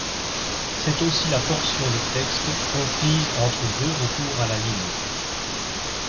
C'est aussi la portion de texte comprise entre deux retours à la ligne.